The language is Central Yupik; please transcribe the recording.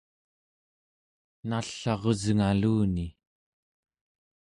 nall'arusngaluni